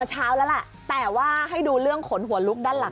เช้าแล้วแหละแต่ว่าให้ดูเรื่องขนหัวลุกด้านหลัง